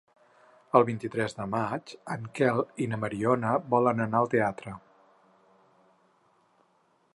El vint-i-tres de maig en Quel i na Mariona volen anar al teatre.